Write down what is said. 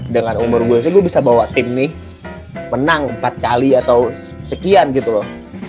dengan umur gue bisa bawa tim nih menang empat kali atau sekian gitu loh